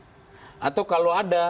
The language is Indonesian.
sengketa pemilu lainnya